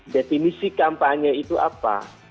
definisi kampanye itu apa